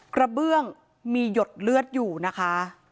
กระเบื้องมีหยดเลือดอยู่นะคะ